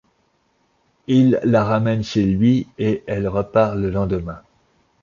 Il la ramène chez lui et elle repart le lendemain.